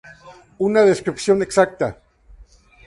Una descripción exacta.